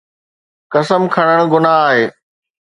قسم کڻڻ گناهه آهي.